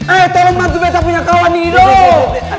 eh tolong bantu betah punya kawan ini dong